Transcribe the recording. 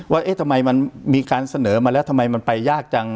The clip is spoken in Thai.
เอ๊ะทำไมมันมีการเสนอมาแล้วทำไมมันไปยากจัง